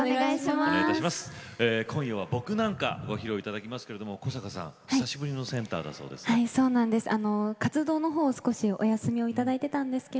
今夜は「僕なんか」を披露いただきますけれど小坂さん、久しぶりのセンターなんだそうですね。